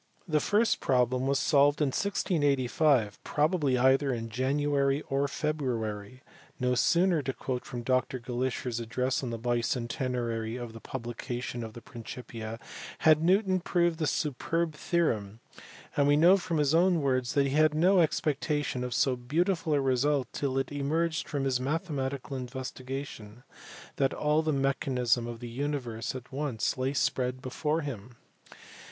The first problem was solved in 1685, probably either in January or February. "No sooner," to quote from Dr Glaisher s address on the bicentenary of the publication of the Principia, "had Newton proved this superb theorem and we know from his own words that he had no expectation of so beautiful a result till it emerged from his mathematical investigation than all the mechanism of the universe at once lay spread before him.